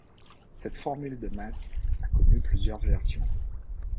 Cette formule de masse a connu plusieurs versions.